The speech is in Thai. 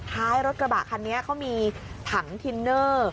ท้ายรถกระบะคันนี้เขามีถังทินเนอร์